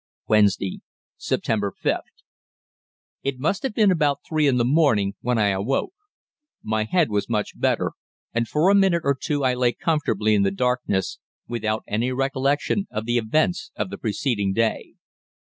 "WEDNESDAY, September 5. "It must have been about three in the morning when I awoke. My head was much better, and for a minute or two I lay comfortably in the darkness, without any recollection of the events of the preceding day.